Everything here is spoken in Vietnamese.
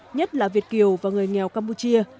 nhất là việt kiều và người nghèo campuchia